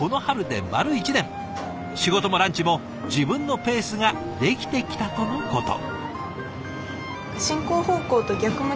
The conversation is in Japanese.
仕事もランチも自分のペースが出来てきたとのこと。